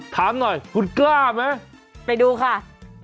ถามหน่อยคุณกล้าไหมไปดูค่ะ